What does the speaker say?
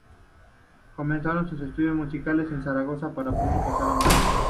Comenzó sus estudios musicales en Zaragoza para pronto pasar a Madrid.